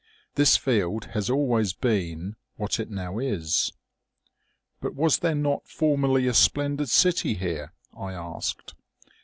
This field has always been what it now is.' * But was there not formerly a splendid city here ?' I asked.